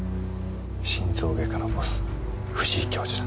心臓外科のボス藤井教授だ